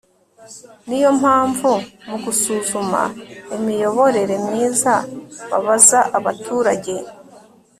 niyo mpamvu mu gusuzuma imiyoborere myiza babaza abaturage